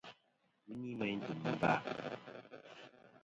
Ghɨ ni meyn tùm vâ.